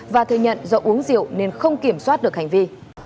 và thừa nhận do uống rượu nên không kiểm soát được hành vi